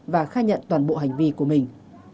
và khai nhận toàn bộ hành vi của mình